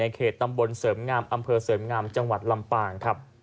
เขตตำบลเสริมงามอำเภอเสริมงามจังหวัดลำปางครับ